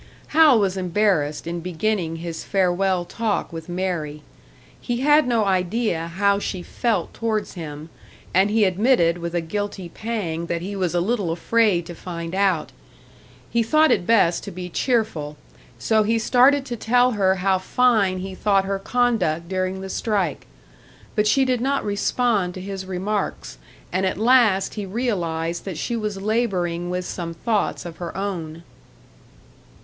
Hal was embarrassed in beginning his farewell talk with Mary. He had no idea how she felt towards him, and he admitted with a guilty pang that he was a little afraid to find out! He thought it best to be cheerful, so he started to tell her how fine he thought her conduct during the strike. But she did not respond to his remarks, and at last he realised that she was labouring with some thoughts of her own.